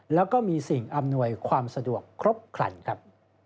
แล้วก็มีสิ่งอำนวยความสะดวกครบครันครับ